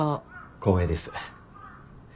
光栄です。